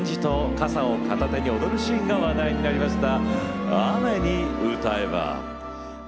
傘を片手に踊るシーンが話題になりました。